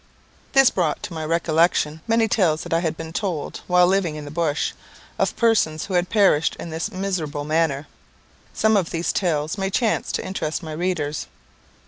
This brought to my recollection many tales that I had been told, while living in the bush, of persons who had perished in this miserable manner. Some of these tales may chance to interest my readers.